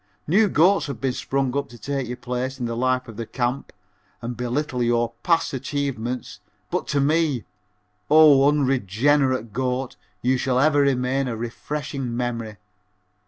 New goats have sprung up to take your place in the life of the camp and belittle your past achievements, but to me, O unregenerate goat, you shall ever remain a refreshing memory.